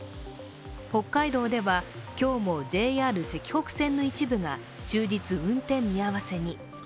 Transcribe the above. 北海道では今日もＪＲ石北線の一部が終日運転見合わせに。